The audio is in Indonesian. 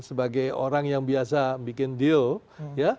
sebagai orang yang biasa bikin deal ya